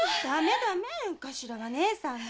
ダメ頭は姐さんの。